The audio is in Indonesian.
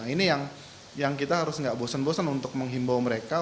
ini yang kita harus nggak bosen bosen untuk menghimbau mereka